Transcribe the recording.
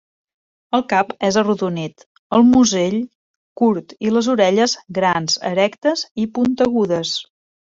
El cap és arrodonit, el musell, curt i les orelles, grans, erectes i puntegudes.